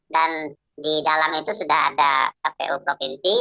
dan di dalam itu sudah ada kpu provinsi